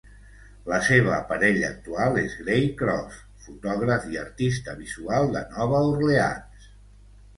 La seva parella actual és Gray Cross, fotògraf i artista visual de Nova Orleans.